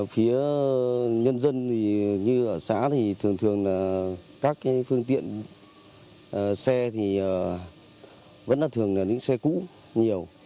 phía nhân dân thì như ở xã thì thường thường là các phương tiện xe thì vẫn là thường là những xe cũ nhiều